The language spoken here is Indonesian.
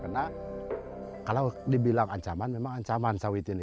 karena kalau dibilang ancaman memang ancaman sawit ini